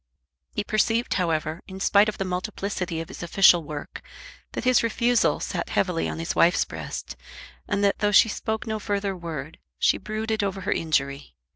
He perceived, however, in spite of the multiplicity of his official work, that his refusal sat heavily on his wife's breast, and that, though she spoke no further word, she brooded over her injury.